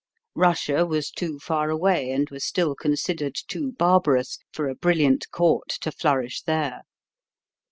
Russia was too far away, and was still considered too barbarous, for a brilliant court to flourish there.